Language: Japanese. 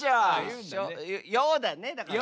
「よ」だねだから。